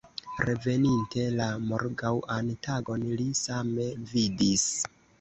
Reveninte la morgaŭan tagon li same vidis.